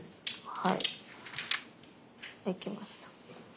はいできました。